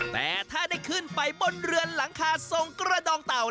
แต่ถ้าได้ขึ้นไปบนเรือนหลังคาทรงกระดองเต่า